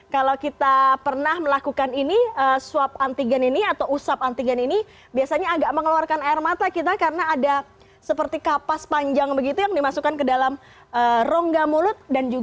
kalau kita pernah melakukan ini swab antigen ini atau usap antigen ini biasanya agak mengeluarkan air mata kita karena ada seperti kapas panjang begitu yang dimasukkan ke dalam rongga mulut